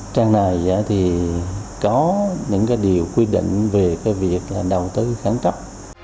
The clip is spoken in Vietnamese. trang này thì có những cái điều quy định về cái việc là đầu tư khẩn cấp